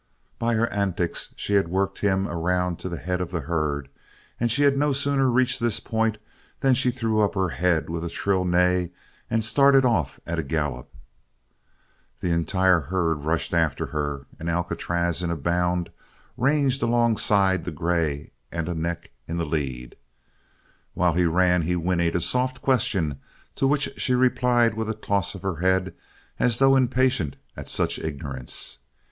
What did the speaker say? By her antics she had worked him around to the head of the herd and she had no sooner reached this point than she threw up her head with a shrill neigh and started off at a gallop. The entire herd rushed after her and Alcatraz, in a bound, ranged along side the grey and a neck in the lead. While he ran he whinnied a soft question to which she replied with a toss of her head as though impatient at such ignorance.